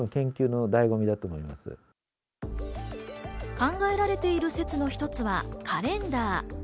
考えられている説の一つはカレンダー。